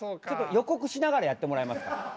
予告しながらやってもらえますか？